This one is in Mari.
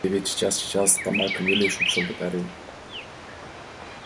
— Теве чечас-чечас, тамакым веле шупшын пытарем.